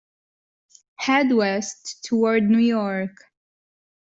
Head west toward New York.